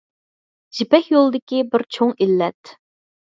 يىپەك يولىدىكى بىر چوڭ ئىللەت